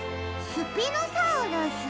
スピノサウルス？